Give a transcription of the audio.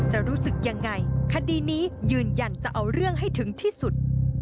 รู้สึกยังไงคดีนี้ยืนยันจะเอาเรื่องให้ถึงที่สุด